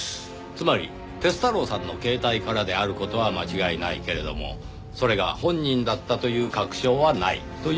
つまり鐵太郎さんの携帯からである事は間違いないけれどもそれが本人だったという確証はないという事ですね？